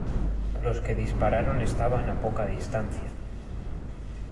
los que dispararon estaban a poca distancia.